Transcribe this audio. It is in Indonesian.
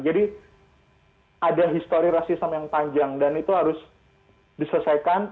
jadi ada histori rasisme yang panjang dan itu harus diselesaikan